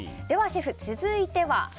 シェフ、続いては？